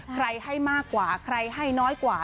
ให้มากกว่าใครให้น้อยกว่า